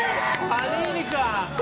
パニーニか！